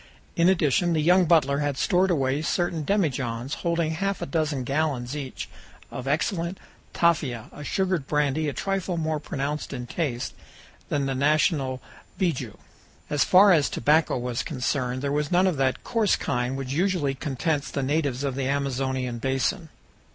In addition, the young butler had stored away certain demijohns, holding half a dozen gallons each, of excellent "tafia," a sugared brandy a trifle more pronounced in taste than the national beiju. As far as tobacco was concerned, there was none of that coarse kind which usually contents the natives of the Amazonian basin.